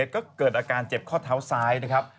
ก็เกิดอาการเจ็บข้อเท้าซ้ายนะครับ